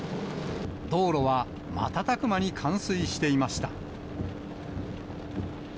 道路は瞬く間に冠水していました。